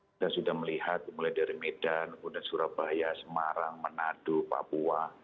kita sudah melihat mulai dari medan kemudian surabaya semarang manado papua